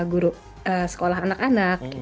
guru sekolah anak anak